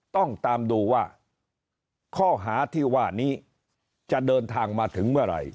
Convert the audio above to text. ต้องตามดูว่าข้อหาที่ว่านี้จะเดินทางมาถึงเมื่อไหร่